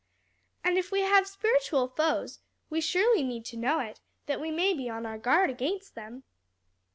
And if we have spiritual foes we surely need to know it, that we may be on our guard against them."